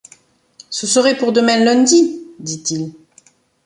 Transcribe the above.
Ce serait pour demain, lundi ! dit-il.